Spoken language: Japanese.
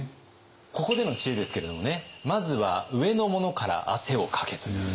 ここでの知恵ですけれどもね「まずは上の者から汗をかけ！」という知恵。